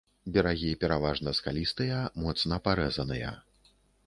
Берагі пераважна скалістыя, моцна парэзаныя.